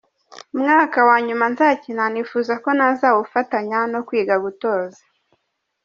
Umwaka wa nyuma nzakina nifuza ko nazawufatanya no kwiga gutoza.